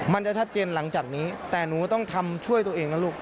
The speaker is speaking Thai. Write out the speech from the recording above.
มันจะชัดเจนหลังจากนี้แต่หนูต้องทำช่วยตัวเองนะลูก